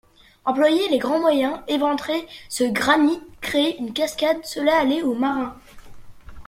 Employer les grands moyens, éventrer ce granit, créer une cascade, cela allait au marin!